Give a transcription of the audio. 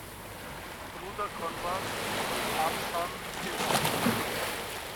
Bruder Konrad von Parzham geweiht.